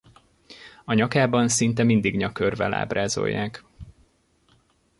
A nyakában szinte mindig nyakörvvel ábrázolják.